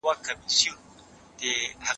خلګو د توازن ساتلو لپاره هڅې کولې.